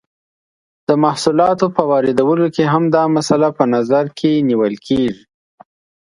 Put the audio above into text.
د محصولاتو په واردولو کې هم دا مسئله په نظر نیول کیږي.